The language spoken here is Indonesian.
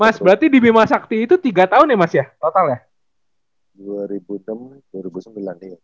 mas berarti di bima sakti itu tiga tahun ya mas ya total ya